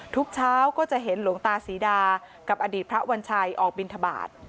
ทุกเช้าก็จะเห็นหลวงตาศรีดากับอดีตพระวัญชัยออกบินทบาท